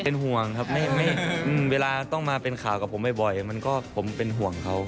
เป็นห่วงครับเวลาต้องมาเป็นข่าวกับผมบ่อยมันก็ผมเป็นห่วงเขา